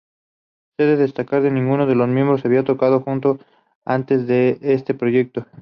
Cabe destacar que ninguno de los miembros habían tocado juntos antes de este proyecto.